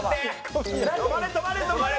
止まれ止まれ止まれ！